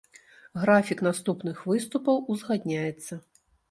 Графік наступных выступаў узгадняецца.